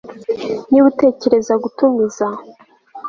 Niba utekereza gutumiza